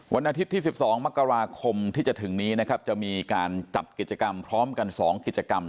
วันอาทิตย์ที่๑๒มกราคมที่จะถึงนี้นะครับจะมีการจัดกิจกรรมพร้อมกัน๒กิจกรรม